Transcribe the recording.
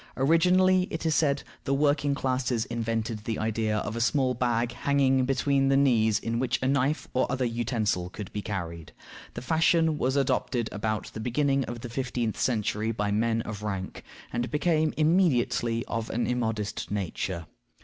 Originally, it is said, the working classes invented the idea of a small bag hanging between the knees in which a knife or other utensil could be carried. The fashion was adopted about the beginning of the fifteenth century by men of rank, and became immediately of an immodest nature.